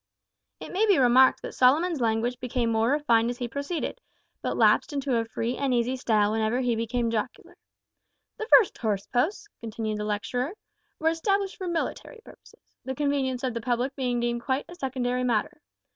It may be remarked that Solomon's language became more refined as he proceeded, but lapsed into a free and easy style whenever he became jocular. "The first horse posts," continued the lecturer, "were established for military purposes the convenience of the public being deemed quite a secondary matter.